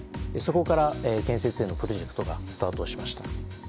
そこから建設へのプロジェクトがスタートしました。